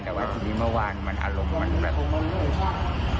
แต่ว่าทีนี้เมื่อวานมันอารมณ์มันแบบ